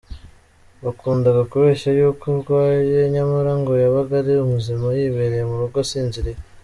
Bakundaga kubeshya y’uko arwaye nyamara ngo yabaga ari muzima yibereye mu rugo asinziriye.